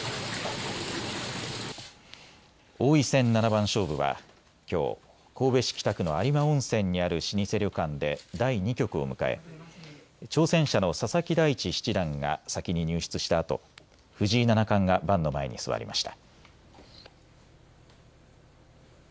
王位戦七番勝負はきょう神戸市北区の有馬温泉にある老舗旅館で第２局を迎え、挑戦者の佐々木大地七段が先に入室したあと、藤井七冠が盤の前に座りました。